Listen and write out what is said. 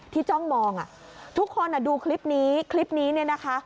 ที่จ้องมองทุกคนดูคลิปนี้นะคะ